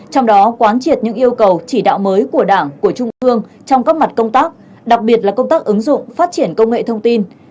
trong đó quán triệt những yêu cầu chỉ đạo mới của đảng của trung ương trong các mặt công tác đặc biệt là công tác ứng dụng phát triển công nghệ thông tin